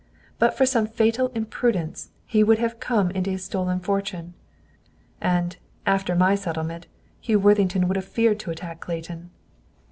But for some fatal imprudence, he would have come into his stolen fortune. And, after my settlement, Hugh Worthington would have feared to attack Clayton."